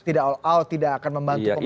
tidak all out tidak akan membantu pemerintah